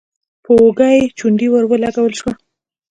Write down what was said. په اوږه يې چونډۍ ور ولګول شوه: